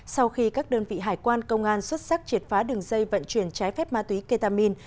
sau khi các đơn vị hải quan công an xuất sắc triệt phá đường dây vận chuyển trái phép ma túy ketamin